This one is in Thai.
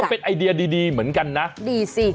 เป็นไอเดียดีเหมือนกันนะดีสิ